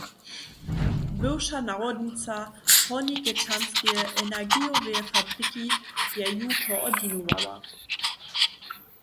Bywša nawodnica Hórnikečanskeje Energijoweje fabriki je ju koordinowała.